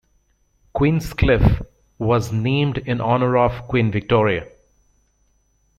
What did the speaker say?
Queenscliff was named in honour of Queen Victoria.